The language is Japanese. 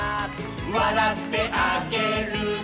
「わらってあげるね」